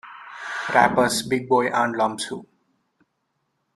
Rappers Big Boi and Iamsu!